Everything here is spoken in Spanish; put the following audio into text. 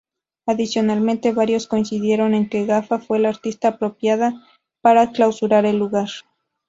Adicionalmente, varios coincidieron en que Gaga fue la artista apropiada para clausurar el lugar.